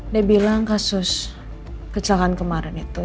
dia bilang kasus kecelakaan kemarin itu